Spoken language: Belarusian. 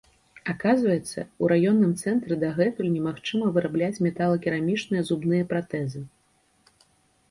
Аказваецца, у раённым цэнтры дагэтуль немагчыма вырабляць металакерамічныя зубныя пратэзы.